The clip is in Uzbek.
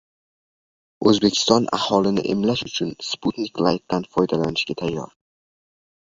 O‘zbekiston aholini emlash uchun “Sputnik Layt”dan foydalanishga tayyor